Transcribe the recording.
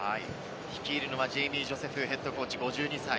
率いるのはジェイミー・ジョセフＨＣ、５２歳。